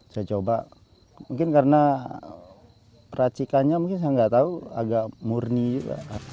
saya coba mungkin karena racikannya mungkin saya nggak tahu agak murni juga